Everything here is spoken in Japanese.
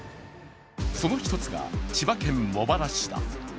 その一つが、千葉県茂原市だ。